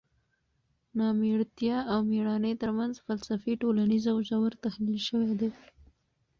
نامېړتیا او مېړانې ترمنځ فلسفي، ټولنیز او ژور تحلیل شوی دی.